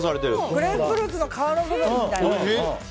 グレープフルーツの皮の部分みたいな。